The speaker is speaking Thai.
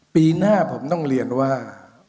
ปีหน้าผมต้องเรียนว่า